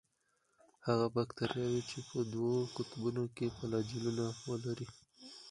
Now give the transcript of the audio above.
هغه باکتریاوې چې په دوو قطبونو کې فلاجیلونه ولري.